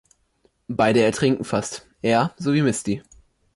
Beide er trinken fast, er sowie Misty.